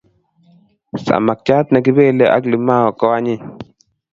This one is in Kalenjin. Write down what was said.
Samakchat ne kipelei ak limau ko anyiny